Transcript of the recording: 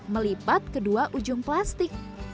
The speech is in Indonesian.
melipat kedua ujung plastik